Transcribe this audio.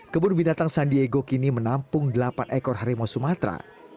kebun binatang san diego kini menampung delapan ekor harimau sumatera